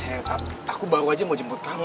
sayang kak aku baru aja mau jemput kamu